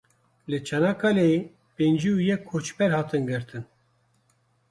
Li Çanakkaleyê pêncî û yek koçber hatin girtin.